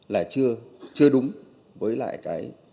là chưa đúng với lại cái